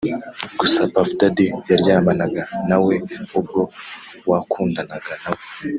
Gusa Puff (Diddy) yaryamanaga na we ubwo wakundanaga nawe